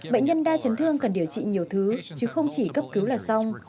bệnh nhân đa chấn thương cần điều trị nhiều thứ chứ không chỉ cấp cứu là xong